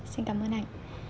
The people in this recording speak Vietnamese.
xin cảm ơn anh